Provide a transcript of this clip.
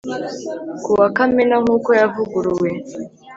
ku wa kamena nk uko ryavuguruwe